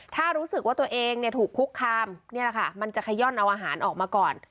ถ้ารู้สึกว่าตัวเองถูกคุกคามนี่แหละค่ะมันจะขย่อนเอาอาหารออกมาก่อน